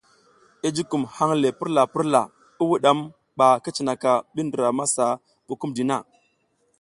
I jukum hang le purla purla i wudam ba ki cinaka bi ndra masa bukumdina.